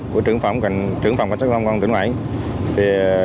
của trưởng phòng cảnh sát giao thông công an tỉnh quảng ngãi